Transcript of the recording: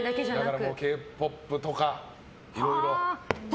だからＫ‐ＰＯＰとかいろいろ。